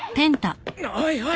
おいおい！